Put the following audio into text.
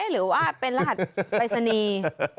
หรือว่าเป็นรหัสไปรษณีย์